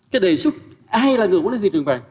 cái đề xuất ai là người quản lý thị trường vàng